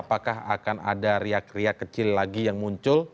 apakah akan ada riak riak kecil lagi yang muncul